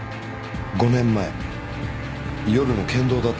５年前夜の県道だったそうです。